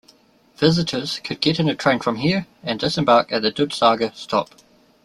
Visitors could get in a train from here and disembark at the Dudhsagar stop.